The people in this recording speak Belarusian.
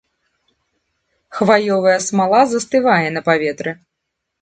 Хваёвая смала застывае на паветры.